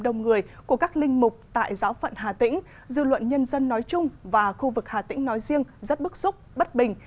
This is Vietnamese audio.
đông người của các linh mục tại giáo phận hà tĩnh dư luận nhân dân nói chung và khu vực hà tĩnh nói riêng rất bức xúc bất bình